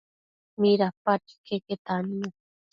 Midapadquio iqueque tannu